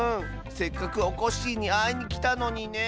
せっかくおこっしぃにあいにきたのにね。